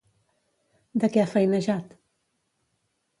De què ha feinejat?